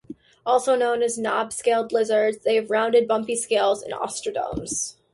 Also known as knob-scaled lizards, they have rounded, bumpy scales and osteoderms.